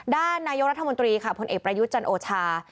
ด้านนายกรัฐมนตรีค่ะผลเอกประยุทธ์จันโอชา